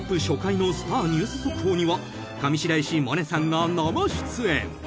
初回の「スター★ニュース速報」には上白石萌音さんが生出演！］